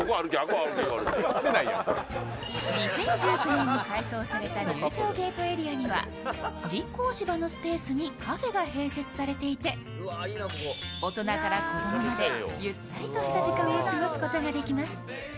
２０１９年に改装された入場ゲートエリアには人工芝のスペースにカフェが併設されていて大人から子供まで、ゆったりとした時間を過ごすことができます。